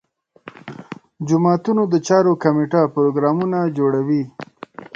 جوماتونو د چارو کمیټه پروګرامونه جوړوي.